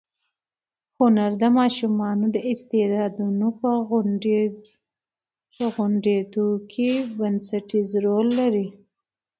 هنر د ماشومانو د استعدادونو په غوړېدو کې بنسټیز رول لري.